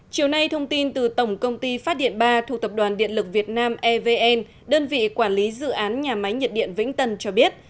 chiều nay thông tin từ tổng công ty phát điện ba thuộc tập đoàn điện lực việt nam evn đơn vị quản lý dự án nhà máy nhiệt điện vĩnh tân cho biết